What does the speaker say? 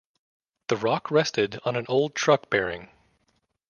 The rock rested on an old truck bearing.